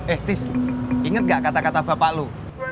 eh tis inget gak kata kata bapak lu